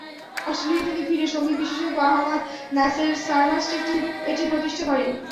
Australia থেকে ফিরে সংগীত বিশেষজ্ঞ আহমাদ নাসের সারমাস্ট এটি প্রতিষ্ঠা করেন।